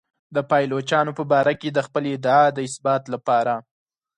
د پایلوچانو په باره کې د خپلې ادعا د اثبات لپاره.